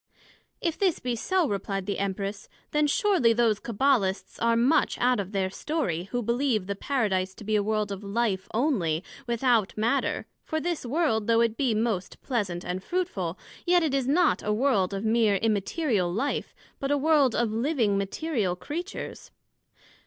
If this be so, replied the Empress, then surely those Cabbalists are much out of their story, who believe the Paradise to be a world of Life onely, without Matter, for this world, though it be most pleasant and fruitful, yet it is not a world of meer Immaterial life, but a world of living, Material Creatures.